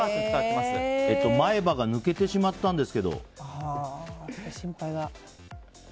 前歯抜けてしまったんですけど。